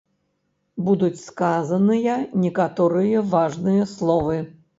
Будуць сказаныя некаторыя важныя словы.